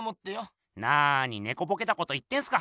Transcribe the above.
なにねこぼけたこと言ってんすか！